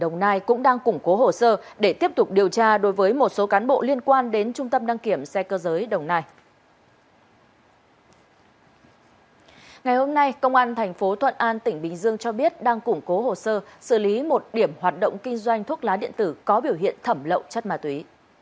ngày hôm nay công an thành phố thuận an tỉnh bình dương cho biết đang củng cố hồ sơ xử lý một điểm hoạt động kinh doanh thuốc lá điện tử có biểu hiện thẩm lậu chất ma túy